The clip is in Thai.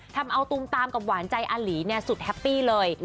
ทำเอาตูมตามกับหวานใจอาหลีเนี่ยสุดแฮปปี้เลย